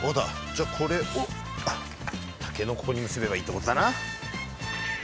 じゃあこれを竹のここに結べばいいってことだな。